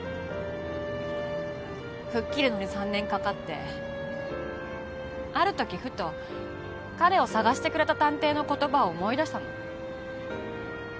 吹っ切るのに３年かかってあるときふと彼を捜してくれた探偵の言葉を思い出したの。